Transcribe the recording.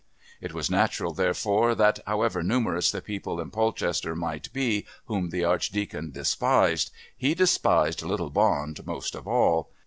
It was natural, therefore, that however numerous the people in Polchester might be whom the Archdeacon despised, he despised little Bond most of all.